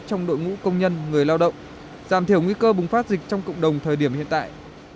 trong đội ngũ công nhân người lao động giảm thiểu nguy cơ bùng phát dịch trong cộng đồng thời điểm hiện tại